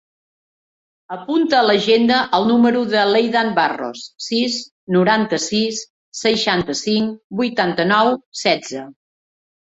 Apunta a l'agenda el número de l'Eidan Barros: sis, noranta-sis, seixanta-cinc, vuitanta-nou, setze.